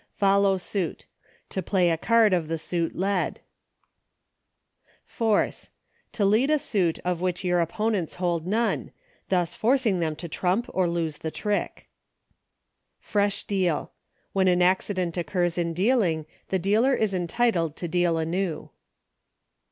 Follow Suit. To play a card of the suit led. Foece. To lead a suit of which your oppo nents hold none, thus forcing them to trump or lose the trick. Fkesh Deal. When an accident occurs in dealing, the dealer is entitled to deal anew.